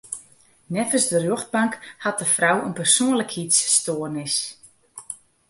Neffens de rjochtbank hat de frou in persoanlikheidsstoarnis.